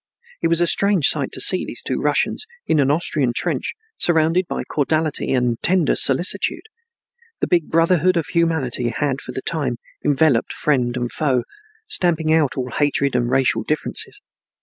It was a strange sight to see these two Russians in an Austrian trench, surrounded by cordiality and tender solicitude. The big brotherhood of humanity had for the time enveloped friend and foe, stamping out all hatred and racial differences.